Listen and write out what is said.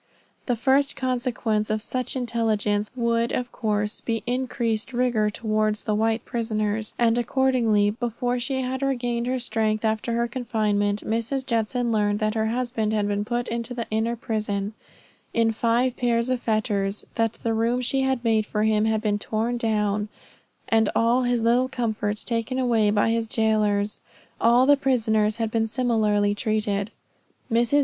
The first consequence of such intelligence would of course be increased rigor towards the white prisoners; and accordingly, before she had regained her strength after her confinement, Mrs. Judson learned that her husband had been put into the inner prison, in five pairs of fetters, that the room she had made for him had been torn down, and all his little comforts taken away by his jailers. All the prisoners had been similarly treated. Mrs.